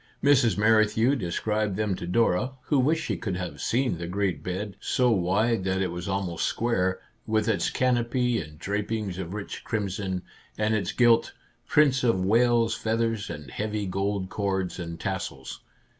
Mrs. Merrithew described them to Dora, who wished she could have seen the great bed, so wide that it was almost square, with its canopy and drapings of rich crimson, and its gilt " Prince of Wales feathers," and heavy gold cords and tassels.